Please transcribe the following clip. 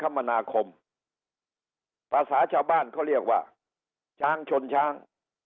มนาคมภาษาชาวบ้านเขาเรียกว่าช้างชนช้าง